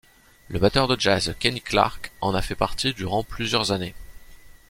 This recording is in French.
Le batteur de jazz Kenny Clarke en a fait partie durant plusieurs années.